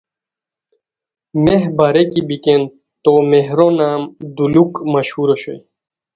میھ باریکی بیکین تو مہرونام دولوک مشہور اوشوئے